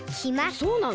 そうなの？